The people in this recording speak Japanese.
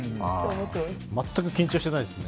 全く緊張してないですね。